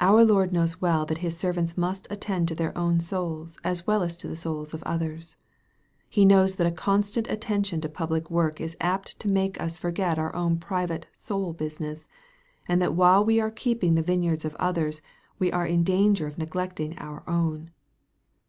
Our Lord knows well that His servants must attend to their own souls as well as the souls of others. He knows that a constant attention to public work is apt to make us forget our own private soul business, and that while we are keeping the vineyards of others, we are in danger of neglecting our own.